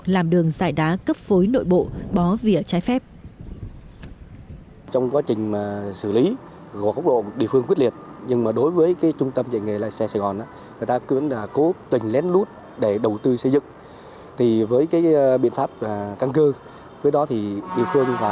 làm đường dài đá cấp phối nội bộ bó vỉa trái phép